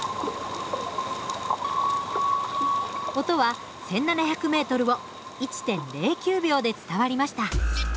音は１，７００ｍを１．０９秒で伝わりました。